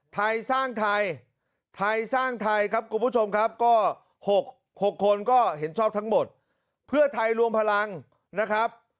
ไทยสร้างไทยไทยสร้างไทยครับคุณผู้ชมครับก็๖คนก็เห็นชอบทั้งหมดเพื่อไทยรวมพลังนะครับ